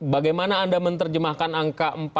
bagaimana anda menerjemahkan angka empat puluh berapa